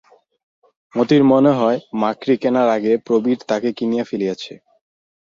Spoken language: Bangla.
মতির মনে হয় মাকড়ি কেনার আগে প্রবীর তাকেই কিনিয়া ফেলিয়াছে!